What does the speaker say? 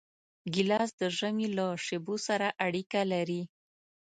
ګیلاس د ژمي له شېبو سره اړیکه لري.